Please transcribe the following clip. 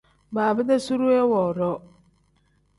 Baaba-dee zuriya woodoo.